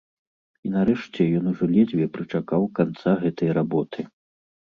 І нарэшце ён ужо ледзьве прычакаў канца гэтай работы.